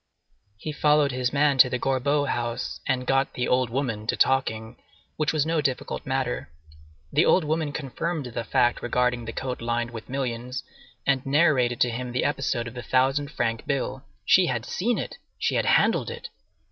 He followed his man to the Gorbeau house, and got "the old woman" to talking, which was no difficult matter. The old woman confirmed the fact regarding the coat lined with millions, and narrated to him the episode of the thousand franc bill. She had seen it! She had handled it!